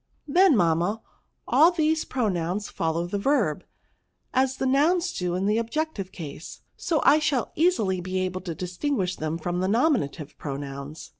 Then, mamma, all these pro nouns follow the verb, as the nouns do in the objective case ; so I shall easily be able to distinguish them from the nominative pronouns."